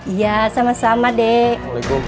iya sama sama dek